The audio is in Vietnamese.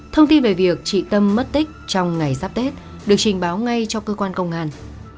thông tin về việc chị tâm mất tích trong ngày giáp tết được trình báo ngay cho cơ quan công an